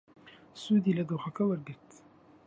سوودی لە دۆخەکە وەرگرت.